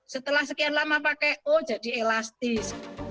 setelah sekian lama pakai oh jadi elastis